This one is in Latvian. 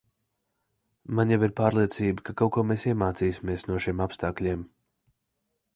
Man jau ir pārliecība, ka kaut ko mēs iemācīsimies no šiem apstākļiem.